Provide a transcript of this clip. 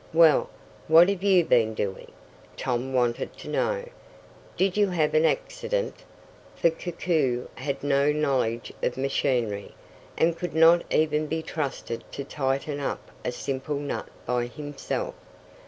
"Well, what have you been doing?" Tom wanted to know. "Did you have an accident?" For Koku had no knowledge of machinery, and could not even be trusted to tighten up a simple nut by himself.